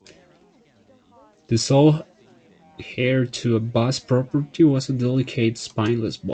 The sole heir to a vast property was a delicate spineless boy.